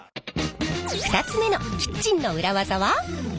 ２つ目のキッチンの裏技は？